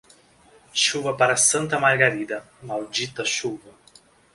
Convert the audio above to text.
Chuva para Santa Margarida, maldita chuva.